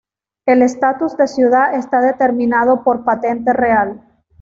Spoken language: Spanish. El estatus de ciudad está determinado por Patente real.